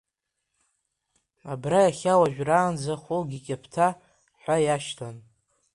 Абра иахьа уажәраанӡа Хыгә иқьаԥҭа ҳәа иашьҭан.